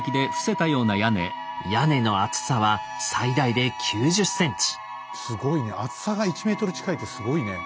屋根の厚さはすごいね厚さが１ｍ近いってすごいね。